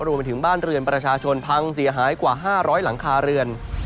รวมไปถึงบ้านเรือนประชาชนพังเสียหายกว่า๕๐๐หลังคาเรือน